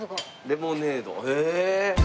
レモネードへえ！